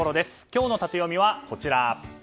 今日のタテヨミはこちら。